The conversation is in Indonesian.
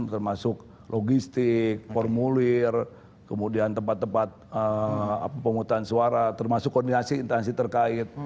termasuk logistik formulir kemudian tempat tempat pemungutan suara termasuk koordinasi intansi terkait